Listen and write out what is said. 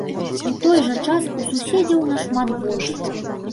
У той жа час, у суседзяў нашмат больш.